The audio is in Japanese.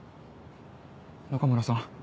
中村さん。